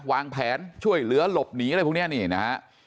วางแผนช่วยเหลือหลบหนีอะไรพวกนี้นี่นะฮะ